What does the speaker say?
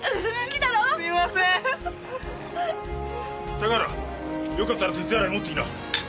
高原よかったら鉄アレイ持っていきな。